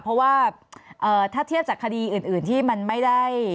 เพราะว่าถ้าเทียบจากคดีอื่นที่มันไม่ได้